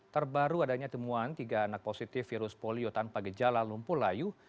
terbaru adanya temuan tiga anak positif virus polio tanpa gejala lumpuh layu